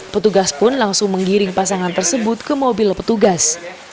petugas pun langsung menggiring pasangan tersebut ke mobil petugas